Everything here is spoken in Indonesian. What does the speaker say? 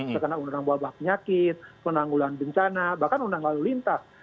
bisa kena undang undang wabah penyakit penanggulan bencana bahkan undang lalu lintas